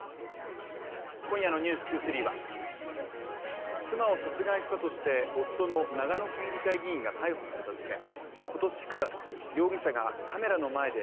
今夜の「ｎｅｗｓ２３」は妻を殺害したとして夫の長野県議会議員が逮捕された事件